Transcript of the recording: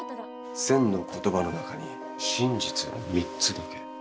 千の言葉の中に真実は三つだけ。